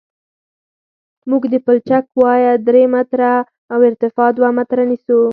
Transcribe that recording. موږ د پلچک وایه درې متره او ارتفاع دوه متره نیسو